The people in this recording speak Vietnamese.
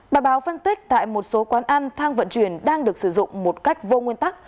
bài báo phân tích tại một số quán ăn thang vận chuyển đang được sử dụng một cách vô nguyên tắc